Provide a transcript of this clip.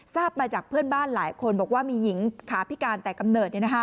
ทราบมาจากเพื่อนบ้านหลายคนบอกว่ามีหญิงขาพิการแต่กำเนิด